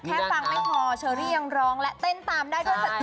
ฟังไม่พอเชอรี่ยังร้องและเต้นตามได้ด้วยศัตว